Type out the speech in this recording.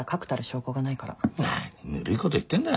何ぬるいこと言ってんだ